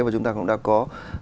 và chúng ta cũng đã có